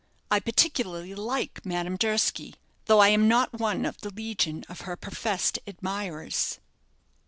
I particularly like Madame Durski, though I am not one of the legion of her professed admirers."